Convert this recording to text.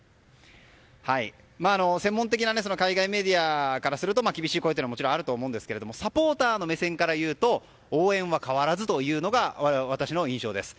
専門的な海外メディアからすると厳しい声はもちろんあると思いますがサポーターの目線からいうと応援は変わらずというところが私の印象です。